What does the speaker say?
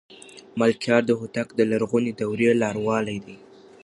ملکیار هوتک د لرغونې دورې لاروی دی.